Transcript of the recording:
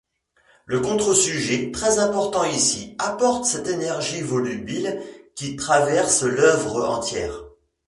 Le contre-sujet, très important ici, apporte cette énergie volubile qui traverse l'œuvre entière.